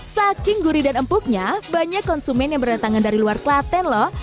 saking gurih dan empuknya banyak konsumen yang berdatangan dari luar klaten loh